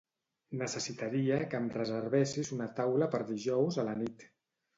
Necessitaria que em reservessis una taula per dijous a la nit.